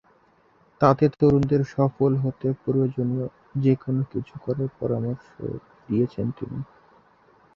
তাতে তরুণদের সফল হতে প্রয়োজনে যেকোনো কিছু করার পরামর্শ দিয়েছেন তিনি।